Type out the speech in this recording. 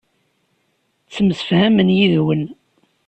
Ttemsefhamen yid-wen.